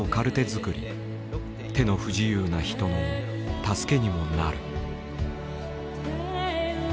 作り手の不自由な人の助けにもなる。